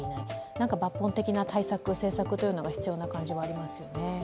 何か抜本的な対策、政策が必要な感じがありますよね。